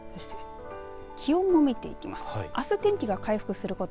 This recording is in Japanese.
そして、気温も見ていきます。